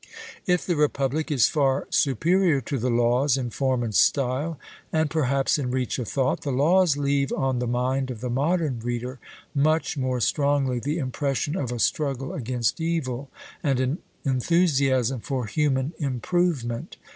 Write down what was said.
If the Republic is far superior to the Laws in form and style, and perhaps in reach of thought, the Laws leave on the mind of the modern reader much more strongly the impression of a struggle against evil, and an enthusiasm for human improvement.